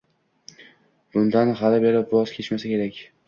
Bundan hali-beri voz kechmasa kerak.